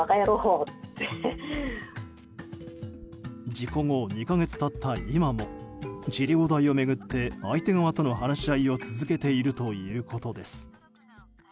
事故後２か月経った今も治療代を巡って相手側との話し合いを続けているということです。